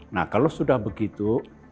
nah kalau sudah begitu